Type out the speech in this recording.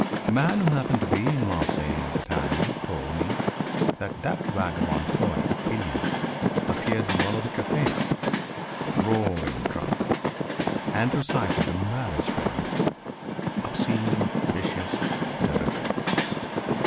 A man who happened to be in Marseilles at the time told me that "that vagabond poet, Pilleux, appeared in one of the cafés, roaring drunk, and recited a marriage poem obscene, vicious, terrific.